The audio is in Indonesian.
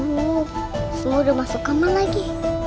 oh semua udah masuk kamar lagi